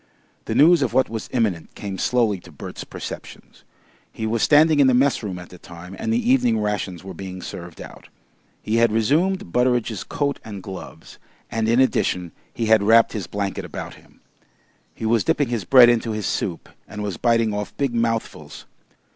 The news of what was imminent came slowly to Bert's perceptions. He was standing in the messroom at the time and the evening rations were being served out. He had resumed Butteridge's coat and gloves, and in addition he had wrapped his blanket about him. He was dipping his bread into his soup and was biting off big mouthfuls.